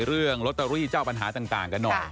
เรื่องลอตเตอรี่เจ้าปัญหาต่างกันหน่อย